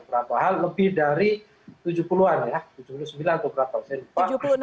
berapa hal lebih dari tujuh puluh an ya tujuh puluh sembilan atau berapa persen lupa